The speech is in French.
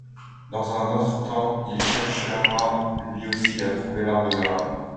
Dans un premier temps, il cherchera lui aussi à trouver l'arme de Merlin.